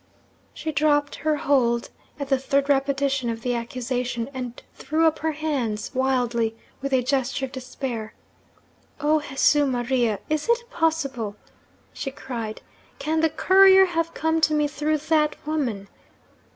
She dropped her hold at the third repetition of the accusation, and threw up her hands wildly with a gesture of despair. 'Oh, Jesu Maria! is it possible?' she cried. 'Can the courier have come to me through that woman?'